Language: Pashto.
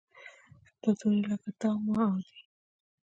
دوه توري لکه تا، ما او دی.